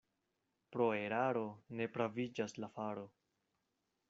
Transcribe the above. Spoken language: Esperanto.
Pro eraro ne praviĝas la faro.